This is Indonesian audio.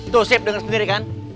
tuh sip denger sendiri kan